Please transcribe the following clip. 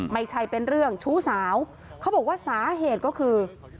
ไม่ใช่เป็นเรื่องชู้สาวเขาบอกว่าสาเหตุก็คือ